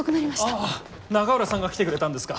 ああ永浦さんが来てくれたんですか。